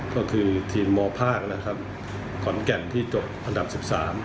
ก็คือทีมมภาคขอนแก่นที่จบอันดับ๑๓